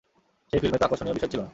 সেই ফিল্মে তো আকর্ষণীয় বিষয় ছিল না।